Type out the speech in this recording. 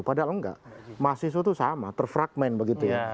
padahal nggak mahasiswa itu sama terfragmen begitu ya